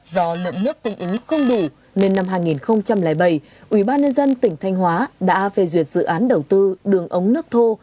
do lượng nước tự ý không đủ nên năm hai nghìn bảy ubnd tỉnh thanh hóa đã phê duyệt dự án đầu tư đường ống nước thô